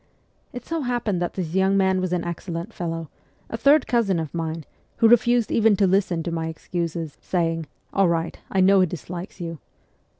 It so happened that this young man was an excellent fellow, a third cousin of mine, who refused even to listen to my excuses, saying, ' All right. I know he dislikes you.'